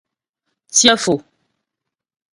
Tsyə́ Fò.